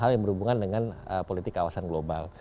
hal yang berhubungan dengan politik kawasan global